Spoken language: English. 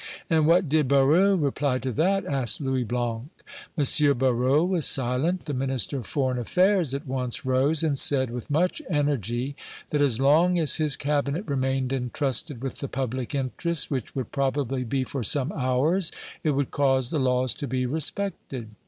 "And what did Barrot reply to that?" asked Louis Blanc. "M. Barrot was silent; but the Minister of Foreign Affairs at once rose and said with much energy that as long as his cabinet remained entrusted with the public interest, which would probably be for some hours, it would cause the laws to be respected.